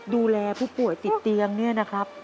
ดูแลผู้ป่วยติดเตียงเนี่ยนะครับ